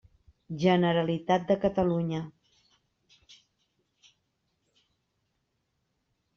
Generalitat de Catalunya.